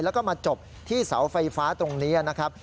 แล้วก็มาจบที่เสาไฟฟ้าตรงนี้นะครับ